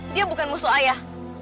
dia bukan musuh ayah